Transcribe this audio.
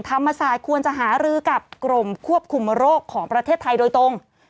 ธรรมศาสตร์ควรจะหารือกับกรมควบคุมโรคของประเทศไทยโดยตรง